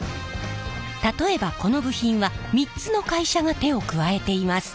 例えばこの部品は３つの会社が手を加えています。